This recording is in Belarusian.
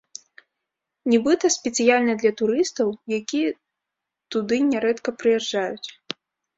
Нібыта, спецыяльна для турыстаў, які туды нярэдка прыязджаюць.